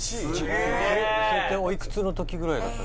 それっておいくつの時ぐらいだった？